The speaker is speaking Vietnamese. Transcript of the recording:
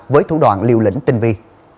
với thủ đoạn liều lĩnh tinh vi